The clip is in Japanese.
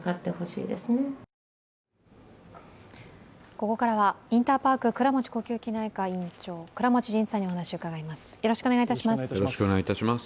ここからはインターパーク倉持呼吸器内科院長、倉持仁さんにお話を伺います。